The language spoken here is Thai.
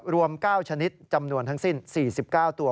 รวม๙ชนิดจำนวนทั้งสิ้น๔๙ตัว